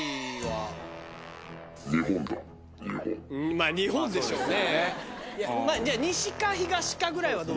まあ日本でしょうね。